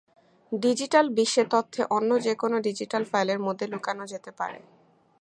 Digital বিশ্বে তথ্য অন্য যে কোনও ডিজিটাল ফাইলের মধ্যে লুকানো যেতে পারে।